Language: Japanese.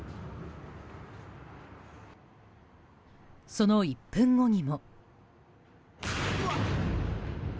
その１分後にも。